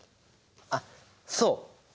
あっそう！